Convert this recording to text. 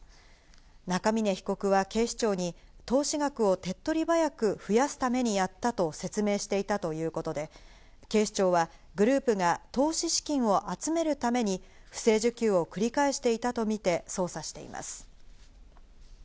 中峯被告は警視庁に投資額を手っ取り早く増やすためにやったと説明していたということで、警視庁はグループが投資資金を集めるために不正受給を繰り返していたとみて捜査しています。